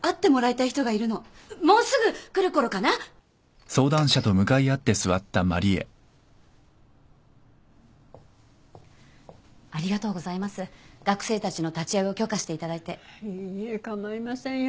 いいえ構いませんよ。